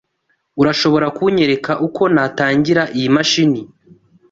Urashobora kunyereka uko natangira iyi mashini?